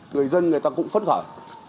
người dân người ta cũng phấn khởi